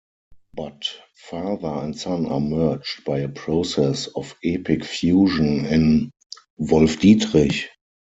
But father and son are merged by a process of epic fusion in Wolfdietrich.